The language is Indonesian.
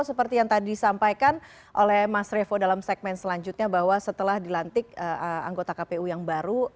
seperti yang tadi disampaikan oleh mas revo dalam segmen selanjutnya bahwa setelah dilantik anggota kpu yang baru